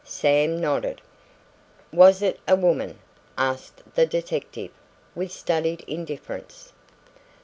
Sam nodded. "Was it a woman?" asked the detective with studied indifference.